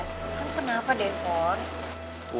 kan kenapa telepon